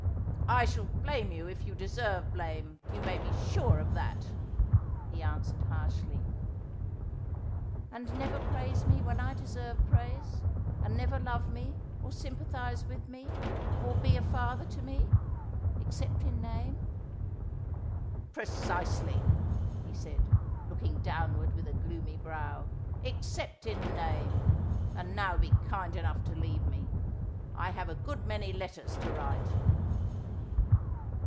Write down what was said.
' I shall blame you if you deserve blame, you may be sure of that,' he answered harshly. ' And never praise me when I deserve praise, and never love me, or sympathise with me, or be a father to me — except in name.' ' Precisely,' he said, looking downward with a gloomy brow. ' Except in name. And now be kind enough to leave me. I have a good many letters to write.'